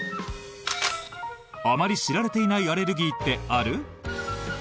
あまり知られていないアレルギーってある？